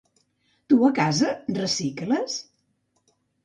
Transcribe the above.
Tu a casa recicles?